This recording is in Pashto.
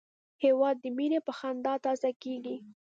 هېواد د مینې په خندا تازه کېږي.